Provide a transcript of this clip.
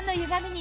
に